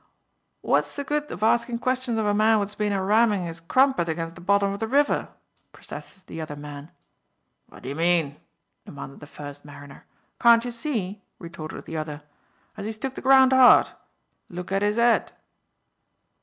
"What'a the good of arskin' questions of a man what's been a rammin' 'is crumpet aginst the bottom of the river?" protested the other man. "What d'ye mean?" demanded the first mariner. "Can't you see?" retorted the other, "as 'e's took the ground 'ard? Look at 'is 'ed."